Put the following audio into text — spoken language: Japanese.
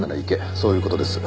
そういう事です。